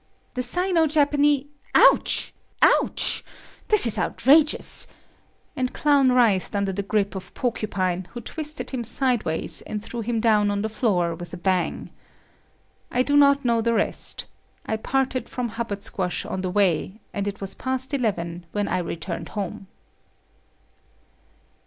"The Sino Japane……ouch!……ouch! This is outrageous," and Clown writhed under the grip of Porcupine who twisted him sideways and threw him down on the floor with a bang. I do not know the rest. I parted from Hubbard Squash on the way, and it was past eleven when I returned home.